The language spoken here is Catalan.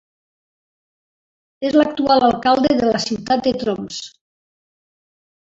És l'actual alcalde de la ciutat de Tromsø.